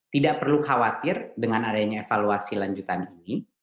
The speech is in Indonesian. tidak perlu khawatir dengan adanya evaluasi lanjutan ini